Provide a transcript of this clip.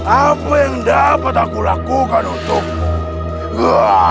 apa yang dapat aku lakukan untukmu